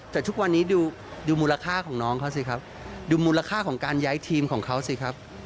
แต่ทุกวันนี้ดูมูลค่าของน้องเขาสิครับดูมูลค่าของการย้ายทีมของเขาสิครับ